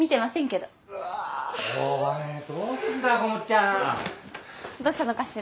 どうしたのかしら？